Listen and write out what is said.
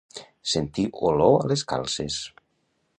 Sentir olor a les calces.